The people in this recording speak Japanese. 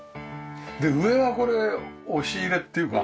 上はこれ押し入れっていうか。